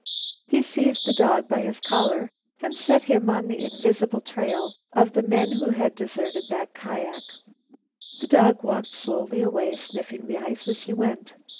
He seized the dog by his collar and set him on the invisible trail of the men who had deserted that kiak. The dog walked slowly away, sniffing the ice as he went.